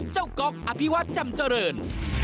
เจ้าก๊อกอภิวัติจำเจริญ